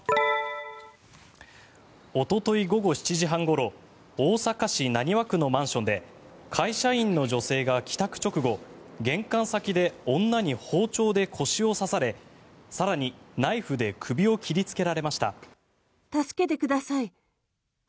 おととい午後７時半ごろ大阪市浪速区のマンションで会社員の女性が帰宅直後玄関先で女に包丁で腰を刺され更に、ナイフで首を切りつけられました。